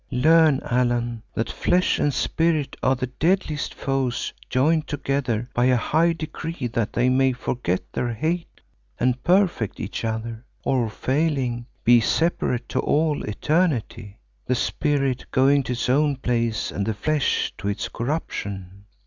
Learn, Allan, that flesh and spirit are the deadliest foes joined together by a high decree that they may forget their hate and perfect each other, or failing, be separate to all eternity, the spirit going to its own place and the flesh to its corruption."